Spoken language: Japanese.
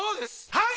はい。